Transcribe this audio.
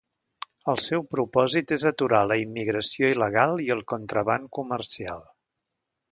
El seu propòsit és aturar la immigració il·legal i el contraban comercial.